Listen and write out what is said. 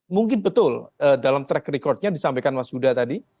mungkin betul dalam track record nya disampaikan mas yuda tadi